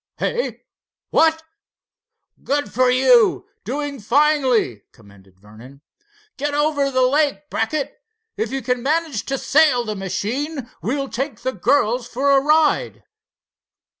Hey, what?" "Good for you—doing finely," commended Vernon. "Get over the lake, Brackett. If you can manage to sail the machine we'll take the girls for a ride."